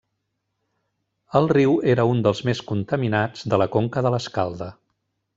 El riu era un dels més contaminats de la conca de l'Escalda.